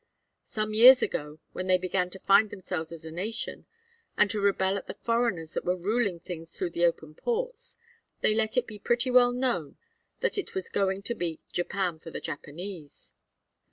Some years ago when they began to find themselves as a nation, and to rebel at the foreigners that were ruling things through the open ports, they let it be pretty well known that it was going to be Japan for the Japanese.